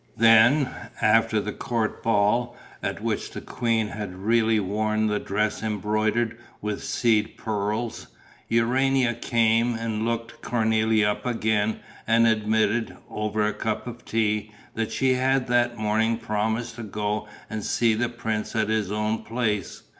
Then, after the court ball, at which the queen had really worn the dress embroidered with seed pearls, Urania came and looked Cornélie up again and admitted, over a cup of tea, that she had that morning promised to go and see the prince at his own place.